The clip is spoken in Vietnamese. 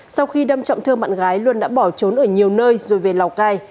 sau khi đâm trọng thương bạn gái luân đã bỏ trốn ở nhiều nơi rồi về lào cai